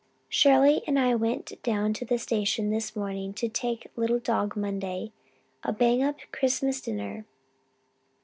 "Shirley and I went down to the station this morning to take Little Dog Monday a bang up Christmas dinner.